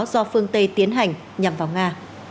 do phương tây tiến hành nhằm vào nga